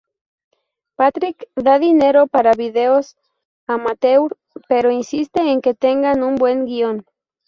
Patrick da dinero para videos amateur pero insiste en que tengan un buen guion.